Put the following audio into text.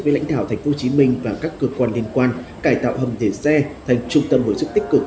với lãnh đạo tp hcm và các cơ quan liên quan cải tạo hầm thể xe thành trung tâm hồi sức tích cực